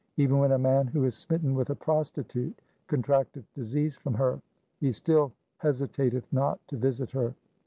Even when a man, who is smitten with a prostitute, contracteth disease from her, he still hesitateth not to visit her.